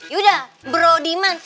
yaudah bro diman